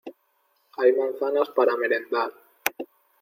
Hay manzanas para merendar.